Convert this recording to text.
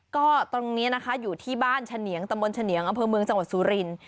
ก็ตรงนี้อยู่ที่บ้านชะเนียงตำบลชะเนียงอำเภอเมืองจังหวัดสุรินทร์